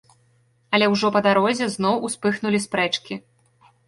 Але ўжо па дарозе зноў успыхнулі спрэчкі.